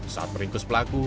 saat meringkus pelaku